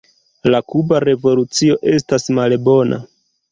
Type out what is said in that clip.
La Kuba revolucio estas malbona.